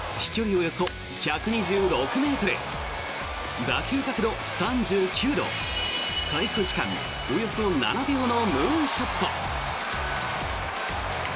およそ１２６ｍ打球角度３９度滞空時間およそ７秒のムーンショット。